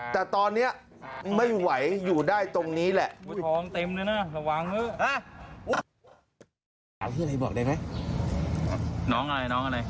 แต่ตอนนี้ไม่ไหวอยู่ได้ตรงนี้แหละ